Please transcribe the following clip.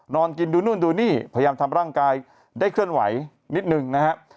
นอนกินดูนู่นดูนี่พยายามทำร่างกายได้เคลื่อนไหวนิดหนึ่งนะครับ